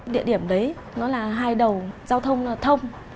địa điểm đấy nó là hai đầu giao thông thông